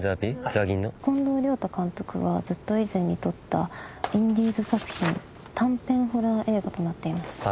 近藤亮太監督がずっと以前に撮ったインディーズ作品短編ホラー映画となっています。